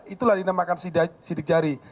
itulah dinamakan sidik jari